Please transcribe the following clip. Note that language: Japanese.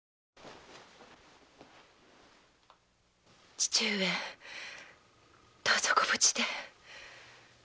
父上どうぞご無事で！